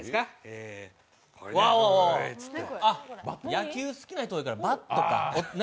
野球好きな人だから、バットか？